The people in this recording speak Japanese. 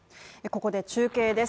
ここで中継です。